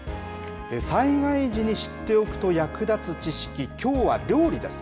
災害時に知っておくと役立つ知識、きょうは料理です。